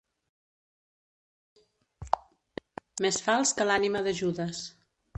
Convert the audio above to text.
Més fals que l'ànima de Judes.